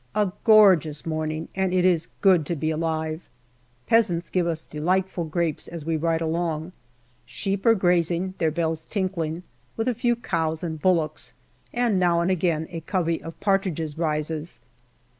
A gorgeous morning, and it is good to be alive. Peasants give us delightful grapes as we ride along. Sheep are grazing, their bells tinkling, with a few cows and bullocks, and now and again a covey of partridges rises.